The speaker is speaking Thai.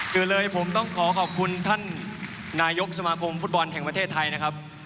เกิดเลยผมต้องขอขอบคุณท่านนายกสมาคมฟุตบอลแห่งประเทศไทยนะครับ